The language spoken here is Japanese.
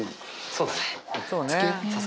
そうだね。